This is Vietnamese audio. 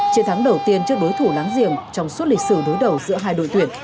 chiến thắng đầu tiên trước đối thủ láng giềng trong suốt lịch sử đối đầu giữa hai đội tuyển